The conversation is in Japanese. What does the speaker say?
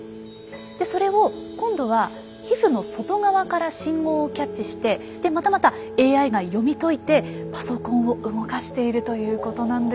でそれを今度は皮膚の外側から信号をキャッチしてでまたまたＡＩが読み解いてパソコンを動かしているということなんです。